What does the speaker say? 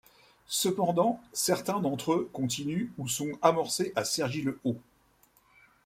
Cependant, certains d'entre eux continuent ou sont amorcés à Cergy-le-Haut.